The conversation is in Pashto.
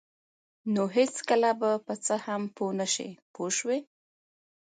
نو هېڅکله به په څه هم پوه نشئ پوه شوې!.